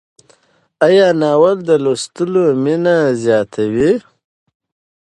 آیا ناول د لوستلو مینه زیاتوي؟